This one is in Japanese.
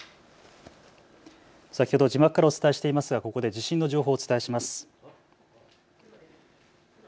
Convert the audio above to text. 先ほど字幕からお伝えしていますがここで地震の情報をお伝えします。